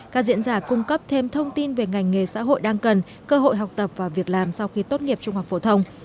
các diễn giả cung cấp thêm thông tin về ngành nghề xã hội đang cần cơ hội học tập và việc làm sau khi tốt nghiệp trung học phổ thông